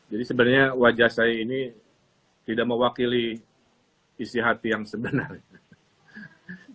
jadi sebenarnya wajah saya ini tidak mewakili isi hati yang sebenarnya